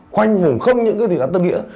khoanh vùng không những cái thị trấn tân nghĩa